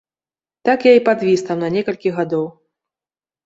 Так я і падвіс там на некалькі гадоў.